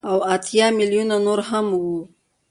او اتيا ميليونه نور هغه وو.